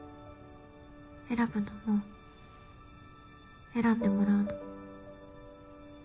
選ぶのも選んでもらうのも。